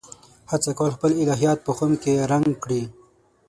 هڅه کوله خپل الهیات په خُم کې رنګ کړي.